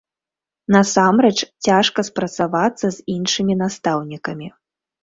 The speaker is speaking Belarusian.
Насамрэч, цяжка спрацавацца з іншымі настаўнікамі.